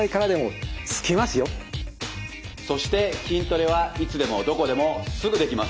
そして筋トレはいつでもどこでもすぐできます。